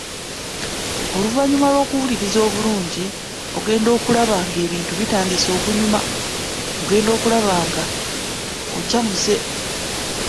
Oluvannyuma lw’okuwuliriza obulungi ogenda okulaba ng’ebintu bitandise okunyuma, ogenda okulaba ng’okyamuse.